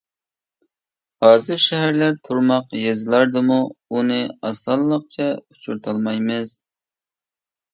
ھازىر شەھەرلەر تۇرماق يېزىلاردىمۇ ئۇنى ئاسانلىقچە ئۇچرىتالمايمىز.